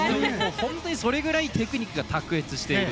それくらいテクニックが卓越している。